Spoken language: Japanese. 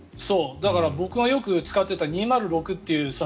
だから僕がよく使っていた２０６という。